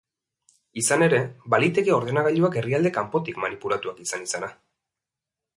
Izan ere, baliteke ordenagailuak herrialde kanpotik manipulatuak izan izana.